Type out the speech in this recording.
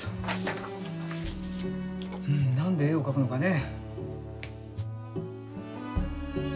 うんなんで絵をかくのかね。